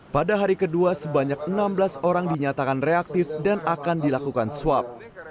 pada hari kedua sebanyak enam belas orang dinyatakan reaktif dan akan dilakukan swab